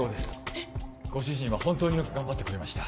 えっ⁉ご主人は本当によく頑張ってくれました。